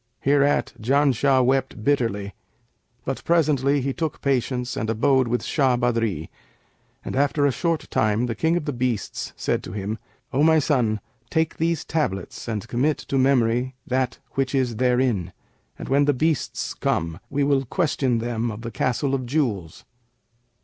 Hereat Janshah wept bitterly but presently he took patience and abode with Shah Badri, and after a short time the King of the Beasts said to him, 'O my son, take these tablets and commit to memory that which is therein; and when the beasts come, we will question them of the Castle of Jewels.'